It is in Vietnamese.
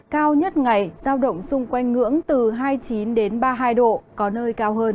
cao nhất ngày giao động xung quanh ngưỡng từ hai mươi chín đến ba mươi hai độ có nơi cao hơn